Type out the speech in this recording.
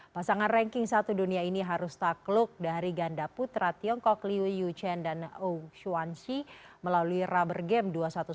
pasangan ranking satu dunia ini harus takluk dari ganda putra tiongkok liu yuchen dan ou xuanshi melalui rubber game dua puluh satu sebelas tiga belas dua puluh satu dua puluh tiga dua puluh lima